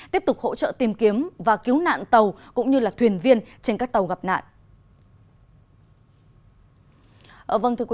tiếp tục hỗ trợ tìm kiếm và cứu nạn tàu cũng như thuyền viên trên các tàu gặp nạn